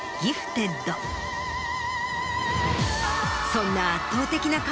そんな。